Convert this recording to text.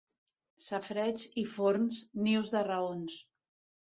Safareigs i forns, nius de raons.